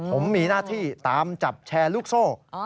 ผมมีหน้าที่ตามจับแชร์ลูกโซ่